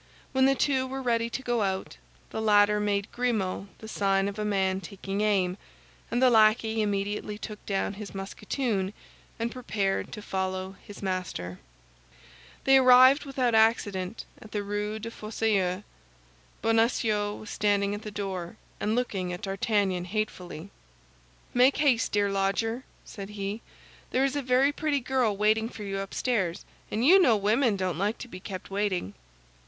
When the two were ready to go out, the latter made Grimaud the sign of a man taking aim, and the lackey immediately took down his musketoon, and prepared to follow his master. They arrived without accident at the Rue des Fossoyeurs. Bonacieux was standing at the door, and looked at D'Artagnan hatefully. "Make haste, dear lodger," said he; "there is a very pretty girl waiting for you upstairs; and you know women don't like to be kept waiting."